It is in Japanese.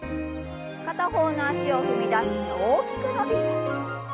片方の脚を踏み出して大きく伸びて。